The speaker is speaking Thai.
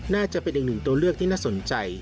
น่าจะเป็นอีกหนึ่งตัวเลือกที่น่าสนใจ